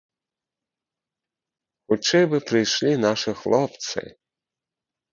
Хутчэй бы прыйшлі нашы хлопцы.